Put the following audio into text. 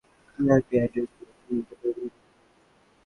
ভুয়া IP address তৈরি করে এটা পরিবর্তন করতে থাকে।